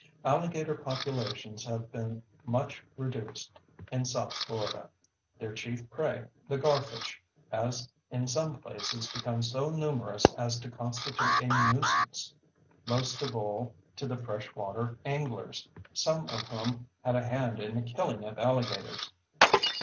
Alligator populations have been much reduced in south Florida; their chief prey, the garfish, has in some places become so numerous as to constitute a nuisance (most of all to the fresh water anglers, some of whom had a hand in the killing of alligators).